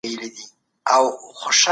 محمد خپله ټولنه د حقیقت لور ته راوبلل.